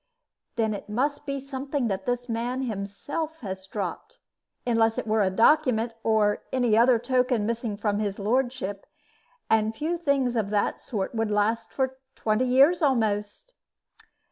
"Then it must be something that this man himself has dropped, unless it were a document, or any other token, missing from his lordship. And few things of that sort would last for twenty years almost."